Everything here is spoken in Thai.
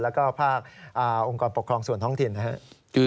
แล้วก็ภาคองค์กรปกครองส่วนท้องถิ่นนะครับ